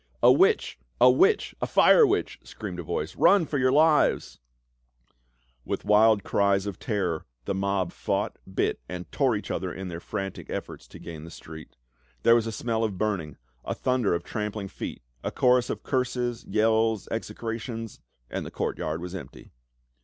" A witch ! A witch ! A fire witch !" screamed a voice. " Run for your lives !" With wild cries of terror the mob fought, bit, and tore each other in their frantic efforts to gain the street. There was a smell of burning, a thunder of trampling feet, a chorus of curses, yells, execrations, and the courtyard was empty.